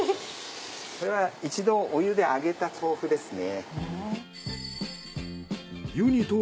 これは一度お湯であげた豆腐ですね。